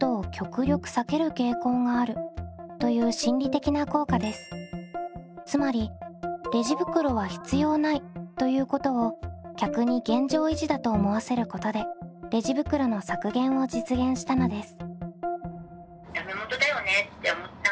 デフォルト効果とはつまりレジ袋は必要ないということを客に現状維持だと思わせることでレジ袋の削減を実現したのです。